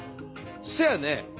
せやね。